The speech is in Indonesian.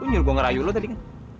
lo nyur gue ngerayu lo tadi kan